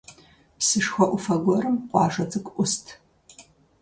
Псышхуэ Ӏуфэ гуэрым къуажэ цӀыкӀу Ӏуст.